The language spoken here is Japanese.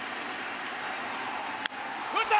打った！